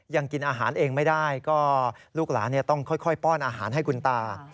กินอาหารเองไม่ได้ก็ลูกหลานต้องค่อยป้อนอาหารให้คุณตา